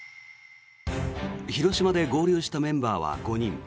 広島で合流したメンバーは５人。